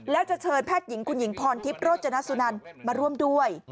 แล้วจะเชิญแพทย์หญิงคุณหญิงพรทิพย์โรจนสุนันมาร่วมด้วย